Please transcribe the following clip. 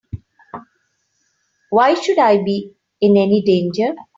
Why should I be in any danger?